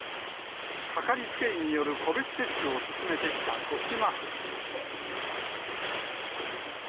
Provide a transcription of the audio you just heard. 掛かりつけ医による個別接種を進めてきた豊島区。